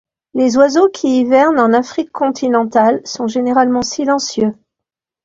Les oiseaux qui hivernent en Afrique continentale sont généralement silencieux.